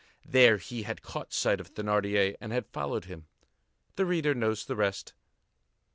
There he had caught sight of Thénardier and had followed him. The reader knows the rest.